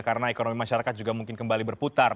karena ekonomi masyarakat juga mungkin kembali berputar